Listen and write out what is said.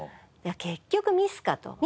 いや結局ミスかと。